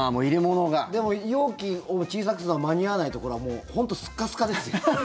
でも、容器を小さくするのが間に合わないところはもう本当スッカスカですよ。